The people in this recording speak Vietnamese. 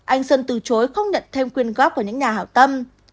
anh sơn từ chối không nhận thêm quyền góp của những nhà hảo tâm